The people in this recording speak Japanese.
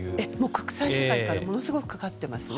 国際社会からすごくかかっていますね。